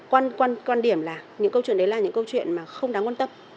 quan quan điểm là những câu chuyện đấy là những câu chuyện mà không đáng quan tâm